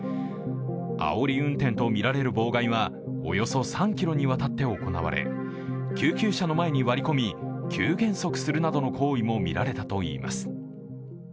あおり運転とみられる妨害はおよそ３ｋｍにわたって行われ救急車の前に割り込み、急減速するなどの行為もみられたといいます。